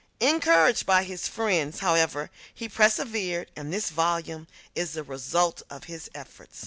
Encouraged by his friends, however, he persevered and this volume is the results of his effort.